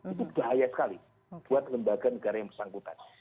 itu bahaya sekali buat lembaga negara yang bersangkutan